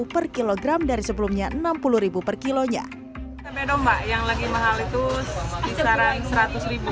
per kilogram dari sebelumnya enam puluh per kilonya tempe domba yang lagi mahal itu kisaran seratus ribu